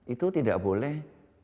itu tidak boleh